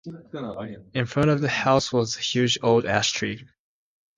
In front of the house was a huge old ash-tree.